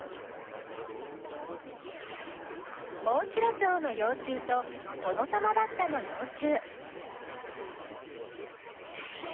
モンシロチョウのよう虫とトノサマバッタのよう虫。